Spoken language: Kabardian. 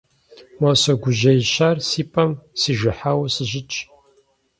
Мо сыгужьеищар си пӀэм сижыхьауэ сыщытщ.